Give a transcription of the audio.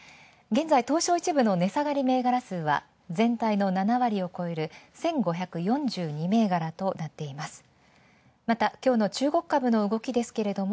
現在、東証１部の値下がり銘柄数は全体の７割を超える１５４２銘柄となっています。